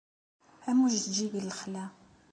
Am ujeǧǧig n lexla.